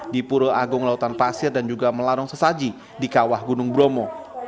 di pura agung lautan pasir dan juga melarong sesaji di kawah gunung bromo